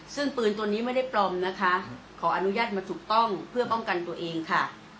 ซึ่งปืนตัวนี้ไม่ได้ปลอมนะคะขออนุญาตมาถูกต้องเพื่อป้องกันตัวเองค่ะ